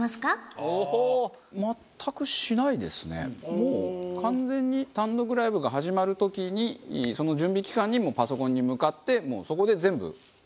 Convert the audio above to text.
もう完全に単独ライブが始まる時にその準備期間にパソコンに向かってそこで全部考える感じなんで。